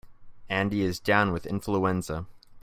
Andy is down with influenza.